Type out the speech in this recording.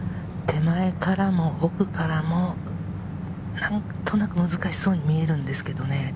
手前からも奥からも、何となく難しそうに見えるんですけどね。